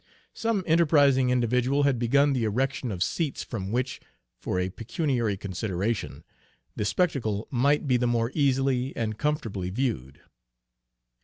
Some enterprising individual had begun the erection of seats from which, for a pecuniary consideration, the spectacle might be the more easily and comfortably viewed.